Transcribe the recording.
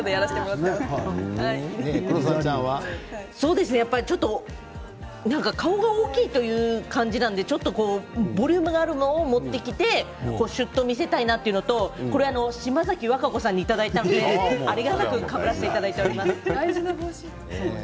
私は顔が大きいという感じなのでボリュームがあるのを持ってきてしゅっと見せたいなというのとこれは島崎和歌子さんにいただいてありがたくかぶらせてもらっています。